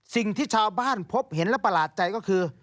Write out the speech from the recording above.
สิ่งที่ชาวบ้านพบเห็นและประหลาดใจก็คือ